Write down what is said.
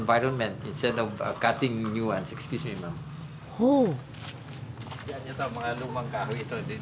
ほう。